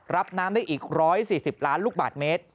รับน้ำได้อีก๑๔๐ล้านลูกบาทเมตร